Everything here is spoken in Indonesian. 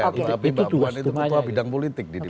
tapi mbak puan itu ketua bidang politik di dpr